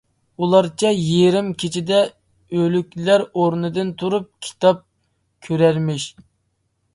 ئۇلارچە «يېرىم كېچىدە ئۆلۈكلەر ئورنىدىن تۇرۇپ كىتاب كۆرەرمىش» .